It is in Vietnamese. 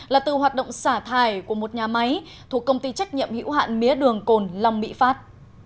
là từ hoạt động xả thải của một nhà máy thuộc công ty trách nhiệm hữu hạn mía đường cồn long mỹ phát